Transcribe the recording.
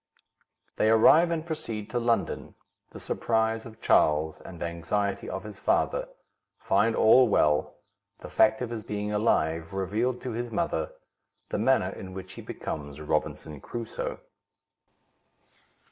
They arrive, and proceed to London—The Surprise of Charles, and Anxiety of his Father—Find all well—The fact of his being alive revealed to his Mother—The Manner in which he becomes Robinson Crusoe.